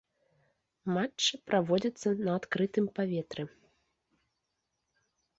Матчы праводзяцца на адкрытым паветры.